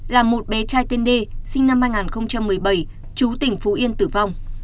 là một bé trai tên đê sinh năm hai nghìn một mươi bảy trú tỉnh phú yên tử vong